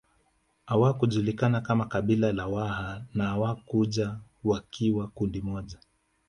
Hawakujulikana kama kabila la Waha na hawakuja wakiwa kundi moja